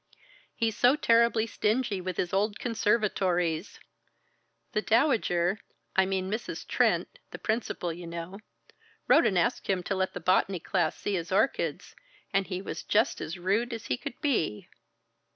"He's so terribly stingy with his old conservatories. The Dowager I mean Mrs. Trent, the principal, you know wrote and asked him to let the botany class see his orchids, and he was just as rude as he could be!"